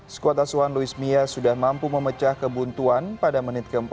skuad asuhan luis mia sudah mampu memecah kebuntuan pada menit ke empat